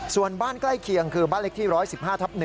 ส่วนบ้านใกล้เคียงคือบ้านเล็กที่๑๑๕ทับ๑